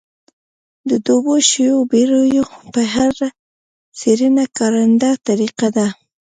د ډوبو شویو بېړیو په اړه څېړنې کارنده طریقه ده.